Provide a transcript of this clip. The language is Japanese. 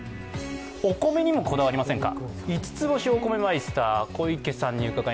お米にもこだわりませんか？